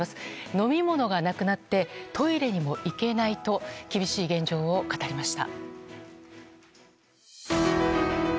飲み物がなくなってトイレにも行けないと厳しい現状を語りました。